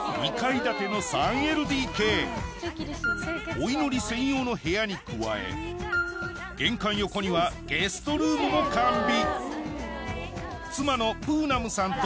お祈り専用の部屋に加え玄関横にはゲストルームも完備